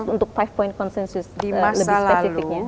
untuk lima point konsensus lebih spesifiknya